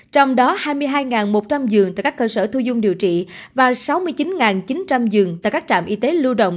trong đó hai mươi hai một trăm linh giường tại các cơ sở thu dung điều trị và sáu mươi chín chín trăm linh giường tại các trạm y tế lưu động